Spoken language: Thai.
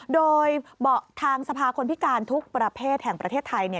โดยบอกทางสภาคนพิการทุกประเภทแห่งประเทศไทยเนี่ย